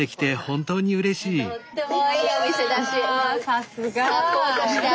さすが！